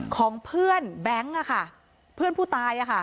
ของเพื่อนแบงค์อะค่ะเพื่อนผู้ตายอะค่ะ